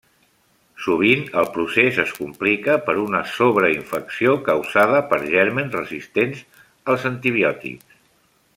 Sovint, el procés es complica per una sobreinfecció causada per gèrmens resistents als antibiòtics.